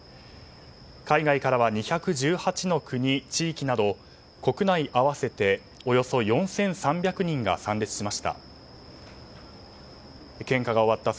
海外からは２１８の国、地域など国内合わせておよそ４３００人が参列しました。